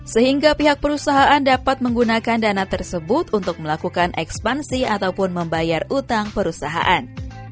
sehingga pihak perusahaan dapat menggunakan dana tersebut untuk melakukan ekspansi ataupun membayar utang perusahaan